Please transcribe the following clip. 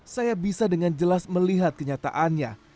saya bisa dengan jelas melihat kenyataannya